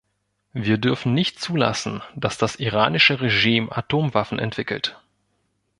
Wir dürfen nicht zulassen, dass das iranische Regime Atomwaffen entwickelt.